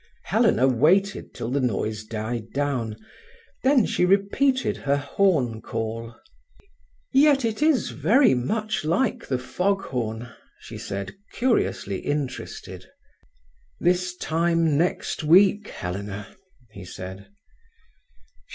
Helena waited till the noise died down, then she repeated her horn call. "Yet it is very much like the fog horn," she said, curiously interested. "This time next week, Helena!" he said.